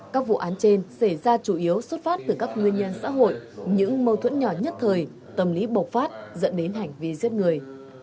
các vụ án trên xảy ra chủ yếu xuất phát từ các nguyên nhân xã hội những mâu thuẫn nhỏ nhất thời tâm lý bộc phát dẫn đến hành vi giết người